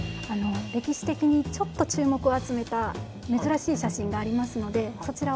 歴史的にちょっと注目を集めた珍しい写真がありますのでそちらをご紹介させて下さい。